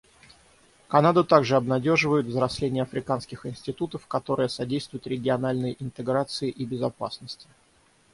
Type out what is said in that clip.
Канаду также обнадеживает взросление африканских институтов, которое содействует региональной интеграции и безопасности.